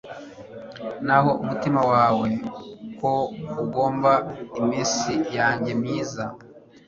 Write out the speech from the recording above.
naho umutima wawe ko ngomba iminsi yanjye myiza